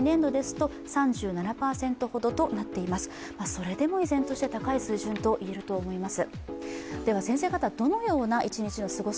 それでも依然として高い水準といえると思います。